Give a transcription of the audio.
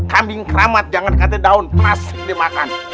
kambing keramat jangan katanya daun plastik dia makan